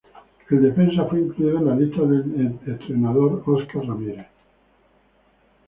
El defensa fue incluido en la lista del entrenador Óscar Ramírez.